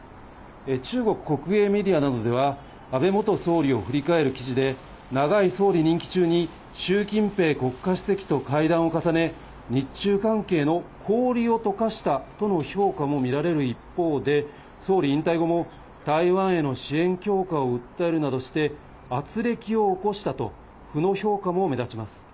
中国国営メディアなどでは、安倍元総理を振り返る記事で、長い総理任期中に習近平国家主席と会談を重ね、日中関係の氷をとかしたとの評価も見られる一方で、総理引退後も、台湾への支援強化を訴えるなどして、あつれきを起こしたと負の評価も目立ちます。